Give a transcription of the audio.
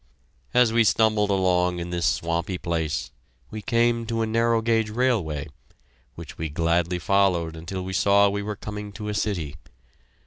As we stumbled along in this swampy place, we came to a narrow gauge railway, which we gladly followed until we saw we were coming to a city.